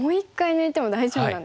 はい大丈夫なんです。